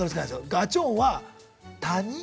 ガチョーンは谷？